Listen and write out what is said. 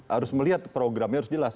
harus melihat programnya harus jelas